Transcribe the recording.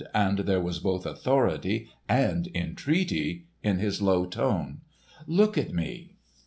he said—and there was both authority and entreaty in his low tone—"look at me!"